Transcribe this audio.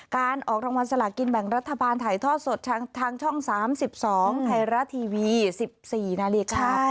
การออกรางวัลสลากินแบ่งรัฐบาลถ่ายทอดสดทางช่อง๓๒ไทยรัฐทีวี๑๔นาฬิกา